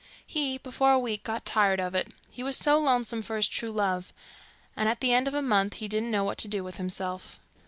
He, before a week, got tired of it, he was so lonesome for his true love; and at the end of a month he didn't know what to do with himself.